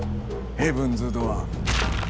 ヘブンズ・ドアー。